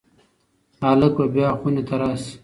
هلک به بیا خونې ته راشي.